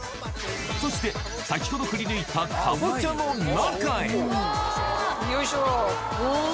そして、先ほどくりぬいたカボチよいしょ。